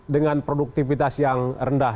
dengan produktivitas yang rendah